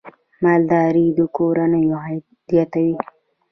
مالدارۍ د کورنیو عاید زیاتوي.